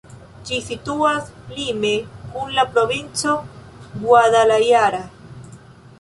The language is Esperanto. Ĝi situas lime kun la provinco Guadalajara.